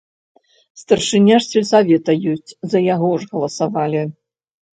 Старшыня ж сельсавета ёсць, за яго ж галасавалі!